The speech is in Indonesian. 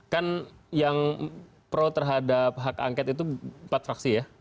kan yang pro terhadap hak angket itu empat fraksi ya